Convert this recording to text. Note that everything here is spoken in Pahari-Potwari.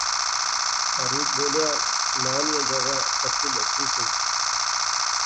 فاروق بولیا ناں نیاں جاغا پتلی لسی سہی